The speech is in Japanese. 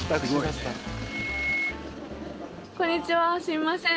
こんにちはすいません